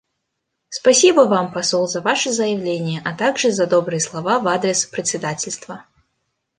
Спасибо Вам, посол, за Ваше заявление, а также за добрые слова в адрес председательства.